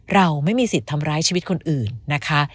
เราไม่มีสิทธิ์ทำร้ายชีวิตคนอื่นนะคะ